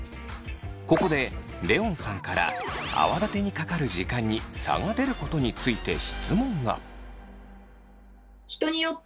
ここでレオンさんから泡立てにかかる時間に差が出ることについて質問が。